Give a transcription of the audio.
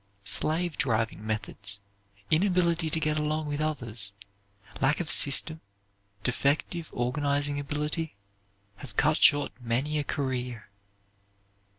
Slave driving methods, inability to get along with others, lack of system, defective organizing ability, have cut short many a career.